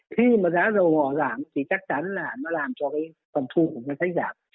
khi mà giá dầu mỏ giảm thì chắc chắn là nó làm cho cái phần thu của ngân sách giảm